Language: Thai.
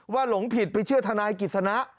หลงผิดไปเชื่อทนายกิจสนะ